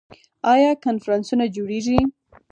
آیا کنفرانسونه جوړیږي؟